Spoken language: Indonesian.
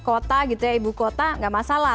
kalau di wilayah kota ibu kota tidak masalah